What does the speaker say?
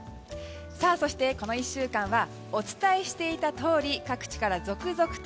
そして、この１週間はお伝えしていたとおり各地から続々と